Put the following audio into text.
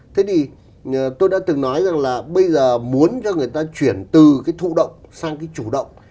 thế thì tôi đã từng nói rằng là bây giờ muốn cho người ta chuyển từ cái thụ động sang cái chủ động